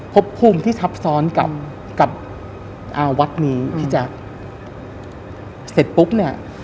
พบคุมที่ทับซ้อนกับอ่าวัดนี้อืมที่จะเสร็จปุ๊บเนี้ย